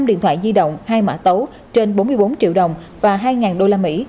năm điện thoại di động hai mã tấu trên bốn mươi bốn triệu đồng và hai đô la mỹ